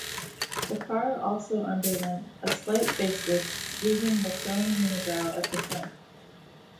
The car also underwent a slight facelift, losing the chrome unibrow at the front.